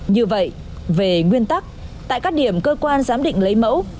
như vậy về nguyên tắc tại các điểm cơ quan giám định lấy mẫu